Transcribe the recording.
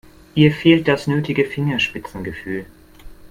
Ihr fehlt das nötige Fingerspitzengefühl.